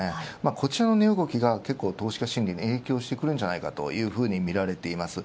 こちらの値動きが投資家心理に影響してくるとみられています。